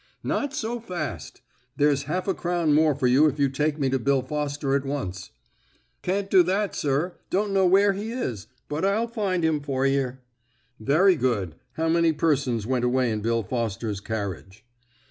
"Not so fast. There's half a crown more for you if you take me to Bill Foster at once." "Can't do that, sir; don't know where he is; but I'll find 'im for yer." "Very good. How many persons went away in Bill Foster's carriage?"